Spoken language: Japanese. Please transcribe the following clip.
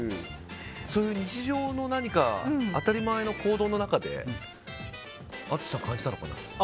そういう日常の当たり前の行動の中で淳さん、感じたのかな。